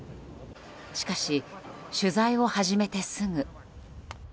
しかし、取材を始めてすぐ。